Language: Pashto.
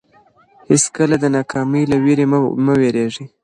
هیڅکله د ناکامۍ له وېرې مه وېرېږئ.